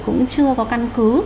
cũng chưa có căn cứ